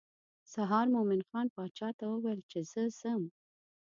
سهار مومن خان باچا ته وویل چې زه ځم.